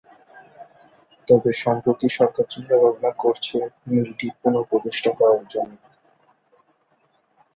তবে সম্প্রতি সরকার চিন্তা ভাবনা করছে মিলটি পুনঃপ্রতিষ্ঠা করার জন্য।